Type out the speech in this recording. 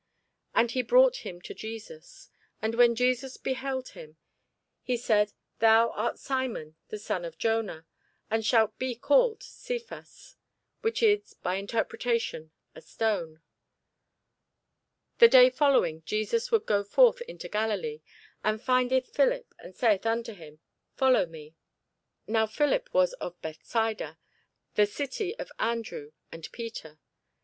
And he brought him to Jesus. And when Jesus beheld him, he said, Thou art Simon the son of Jona: thou shalt be called Cephas, which is by interpretation, A stone. The day following Jesus would go forth into Galilee, and findeth Philip, and saith unto him, Follow me. Now Philip was of Bethsaida, the city of Andrew and Peter.